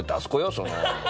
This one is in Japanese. その。